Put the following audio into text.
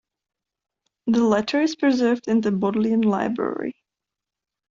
The letter is preserved in the Bodleian Library.